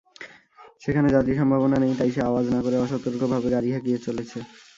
সেখানে যাত্রী-সম্ভাবনা নেই, তাই সে আওয়াজ না করে অসতর্কভাবে গাড়ি হাঁকিয়ে চলেছে।